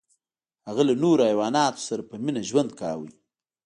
هغه له نورو حیواناتو سره په مینه ژوند کاوه.